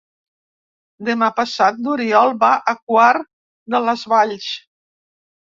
Demà passat n'Oriol va a Quart de les Valls.